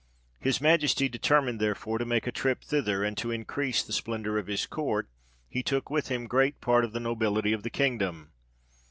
His Majesty determined therefore to make a trip thither ; and to increase the splendour of his court, he took with him great part of the nobility of the king dom.